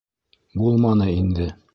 Булманы инде.